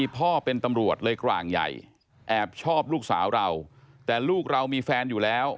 พ่อเป็นตำรวจเลยกลางใหญ่แอบชอบลูกสาวเราแต่ลูกเรามีแฟนอยู่แล้ว